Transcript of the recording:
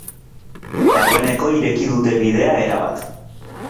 Dagoeneko ireki dute bidea erabat.